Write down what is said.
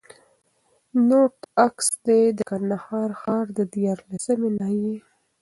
نوټ: عکس کي د کندهار ښار د ديارلسمي ناحيې